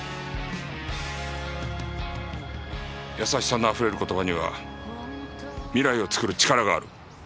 優しさのあふれる言葉には未来を作る力がある。